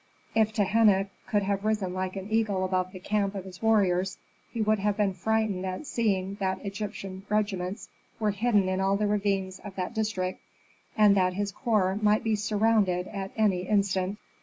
If Tehenna could have risen like an eagle above the camp of his warriors, he would have been frightened at seeing that Egyptian regiments were hidden in all the ravines of that district, and that his corps might be surrounded at any instant.